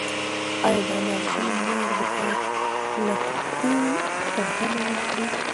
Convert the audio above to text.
ايا د انارګل مور به لښتې ته بښنه وکړي؟